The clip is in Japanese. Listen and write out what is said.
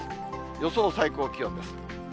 予想最高気温です。